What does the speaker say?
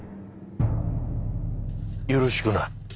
よろしくな。